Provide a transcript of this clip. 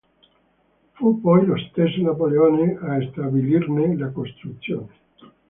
Fu poi lo stesso Napoleone a stabilirne la costruzione.